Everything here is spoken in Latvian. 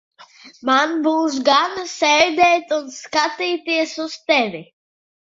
Man būs gana sēdēt un skatīties uz tevi.